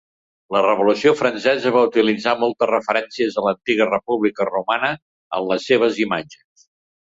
La Revolució Francesa va utilitzar moltes referències a l'antiga República romana en les seves imatges.